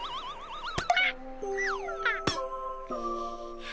あっ。